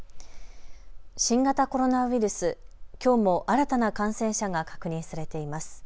新型コロナウイルス、きょうも新たな感染者が確認されています。